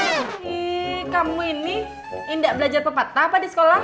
ih kamu ini indah belajar pepatah apa di sekolah